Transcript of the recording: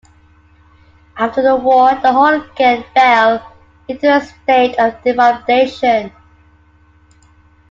After the war the hall again fell into a state of dilapidation.